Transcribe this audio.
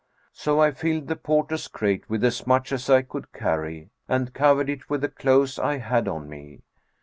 So I filled the porter's crate with as much as I could carry and covered it with the clothes I had on me.